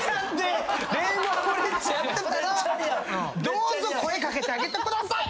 どうぞ声かけてあげてください！